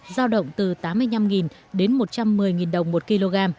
giao động từ tám mươi năm đến một trăm một mươi đồng một kg